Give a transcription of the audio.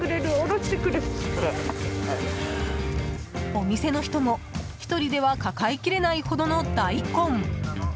お店の人も１人では抱えきれないほどの大根。